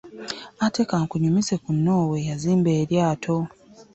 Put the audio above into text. Ate kankunyumize ku Noowa eyazimba elyaato .